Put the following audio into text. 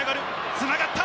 つながった！